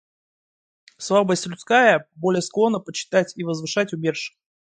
Слабость людская более склонна почитать и возвышать умерших.